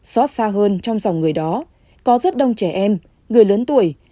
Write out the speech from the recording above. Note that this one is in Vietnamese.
xót xa hơn trong dòng người đó có rất đông trẻ em người lớn tuổi